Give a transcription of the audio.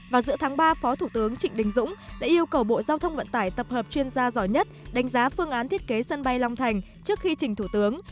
và giữa tháng ba phó thủ tướng trịnh đình dũng đã yêu cầu bộ giao thông vận tải tập hợp chuyên gia giỏi nhất đánh giá phương án thiết kế sân bay long thành trước khi trình thủ tướng